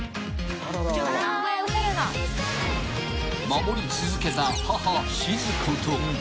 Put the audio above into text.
［守り続けた母静子と］